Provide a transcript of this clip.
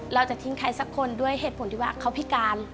เราจะทิ้งใครสักคนด้วยเหตุผลที่ว่าเขาพิการ